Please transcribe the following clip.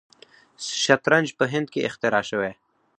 شطرنج په هند کې اختراع شوی.